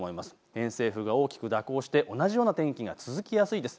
偏西風が大きく蛇行して同じような天気が続きやすいです。